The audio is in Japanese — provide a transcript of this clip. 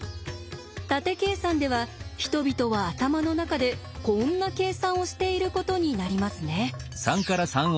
縦計算では人々は頭の中でこんな計算をしていることになりますね。